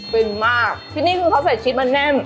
เป็นมากที่นี่คือเขาใส่ชิดมาแน่น